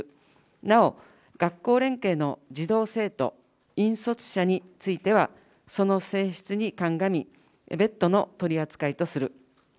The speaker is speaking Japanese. なお、学校連携の児童・生徒、引率者については、その性質に鑑み、別途の取り扱いとする。